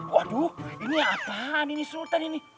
waduh ini apaan ini sultan ini